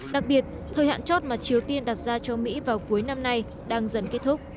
đặc biệt thời hạn chót mà triều tiên đặt ra cho mỹ vào cuối năm nay đang dần kết thúc